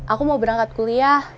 aku mau berangkat kuliah